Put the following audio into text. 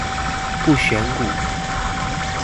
不選股